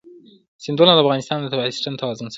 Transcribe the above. سیندونه د افغانستان د طبعي سیسټم توازن ساتي.